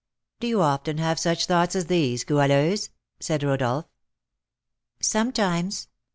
"Do you often have such thoughts as these, Goualeuse?" said Rodolph. "Sometimes.